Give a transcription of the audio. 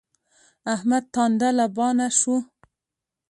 احمد تانده لبانه شو.